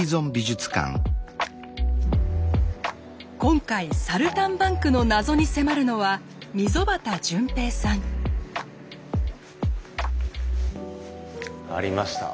今回「サルタンバンク」の謎に迫るのはありました。